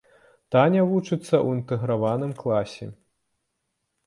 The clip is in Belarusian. Таня вучыцца ў інтэграваным класе.